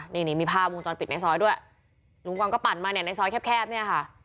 นี่นี่มีภาพวงจรปิดในซอยด้วยลุงกวังก็ปั่นมาเนี่ยในซอยแคบแคบเนี่ยค่ะ